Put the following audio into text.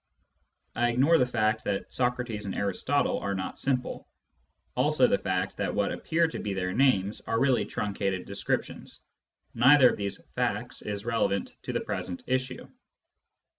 (I ignore the fact that Socrates and Aristotle are not simple ; also the fact that what appear to be their names are really truncated descriptions. Neither of these facts is relevant to the present issue.)